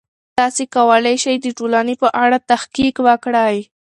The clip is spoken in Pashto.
تاسې کولای سئ د ټولنې په اړه تحقیق وکړئ.